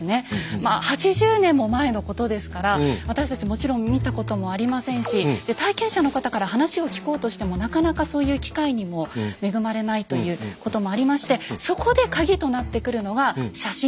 まあ８０年も前のことですから私たちもちろん見たこともありませんし体験者の方から話を聞こうとしてもなかなかそういう機会にも恵まれないということもありましてなるほど。